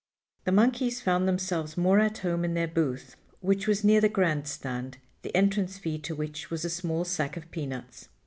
The monkeys found themselves more at home in their booth, which, was near the grand stand, the entrance fee to which was a small sack of peanuts.